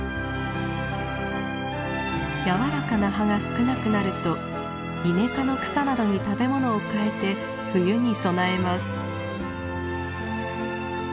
柔らかな葉が少なくなるとイネ科の草などに食べ物をかえて冬に備えます。